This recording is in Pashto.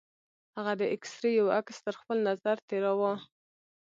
هغه د اکسرې يو عکس تر خپل نظره تېراوه.